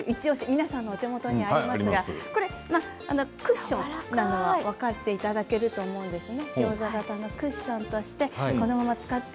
皆さんのお手元にありますがクッションなのは分かっていただけると思うんですね。